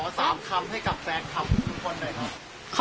ขอ๓คำให้กับแซนครับทุกคนด้วยครับ